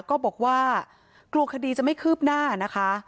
ก็บอกว่ากลัวคดีจะไม่คืบหน้านะคะ